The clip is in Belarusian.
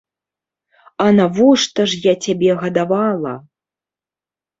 А навошта ж я цябе гадавала?